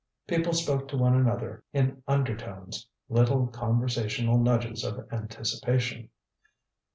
People spoke to one another in undertones little conversational nudges of anticipation.